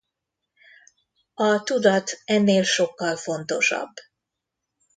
A tudat ennél sokkal fontosabb.